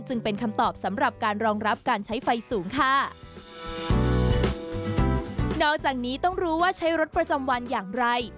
จึงเป็นคำตอบสำหรับการรองรับการใช้ไฟสูงค่ะนอกจากนี้ต้องรู้ว่าใช้รถประจำวันอย่างไร